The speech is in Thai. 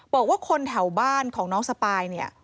บอกว่าคนแถวบ้านของน้องสปายเนี่ย